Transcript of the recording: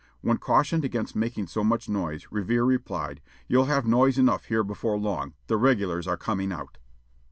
When cautioned against making so much noise, Revere replied: "You'll have noise enough here before long the regulars are coming out."